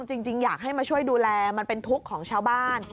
จริงอยากให้มาช่วยดูแลมันเป็นทุกข์ของชาวบ้าน